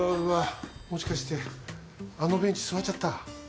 もしかしてあのベンチ座っちゃった？